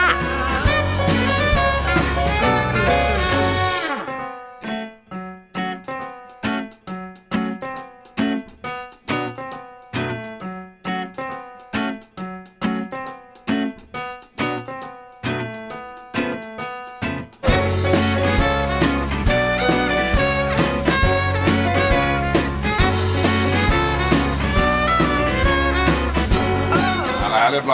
มาแล้วเรียบร้อยนะครับ